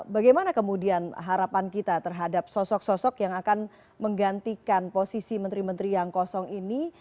bagaimana kemudian harapan kita terhadap sosok sosok yang akan menggantikan posisi menteri menteri yang kosong ini